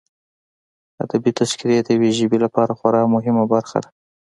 ادبي تذکرې د یوه ژبې لپاره خورا مهمه برخه ده.